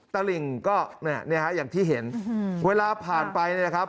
ตลิ่งก็เนี่ยฮะอย่างที่เห็นเวลาผ่านไปเนี่ยนะครับ